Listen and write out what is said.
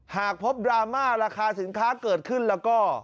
หากพบดราม่าราคาสินค้าเกิดขึ้นแล้วก็